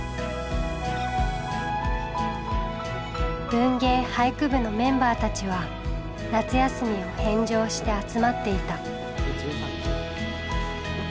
文芸・俳句部のメンバーたちは夏休みを返上して集まっていた。